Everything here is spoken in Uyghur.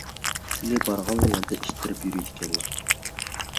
سىلى بارغانلا يەردە ئىش تېرىپ يۈرىدىكەنلا.